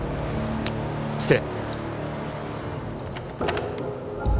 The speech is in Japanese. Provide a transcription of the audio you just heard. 失礼。